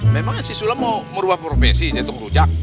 memangnya sih sulam mau merubah profesi jatuh rujak